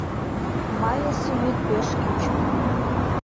Майысе йӱд пеш кӱчык.